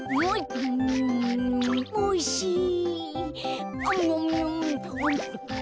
おいしい。